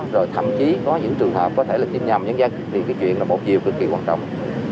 rồi thậm chí có những trường hợp có thể là tiêm nhầm những cái chuyện là một chiều cực kỳ quan trọng